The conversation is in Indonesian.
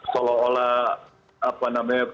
seolah olah apa namanya